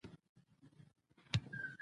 ډېر مزل غلی او خپل بسکیټ یې خوړل.